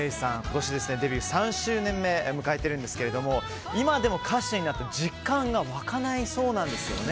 今年デビュー３周年目を迎えたんですけど今でも歌手になった実感が湧かないそうなんです。